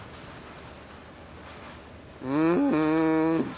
うん！